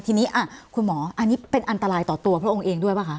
ทีนี้คุณหมออันนี้เป็นอันตรายต่อตัวพระองค์เองด้วยป่ะคะ